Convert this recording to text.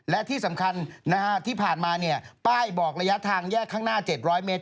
และที่สำคัญที่ผ่านมาป้ายบอกระยะทางแยกข้างหน้า๗๐๐เมตร